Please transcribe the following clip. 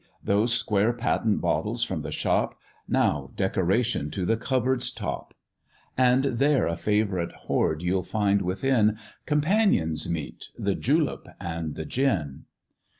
those square patent bottles from the shop, Now decoration to the cupboard's top; And there a favourite hoard you'll find within, Companions meet! the julep and the gin.